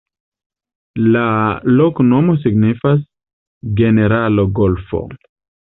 La loknomo signifas: generalo-golfo.